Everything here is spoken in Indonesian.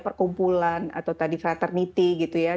perkumpulan atau tadi freternity gitu ya